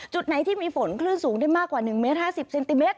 จุดไหนที่มีฝนคลื่นสูงได้มากกว่า๑เมตร๕๐เซนติเมตร